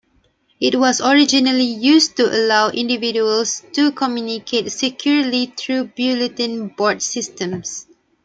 It was originally used to allow individuals to communicate securely through bulletin board systems.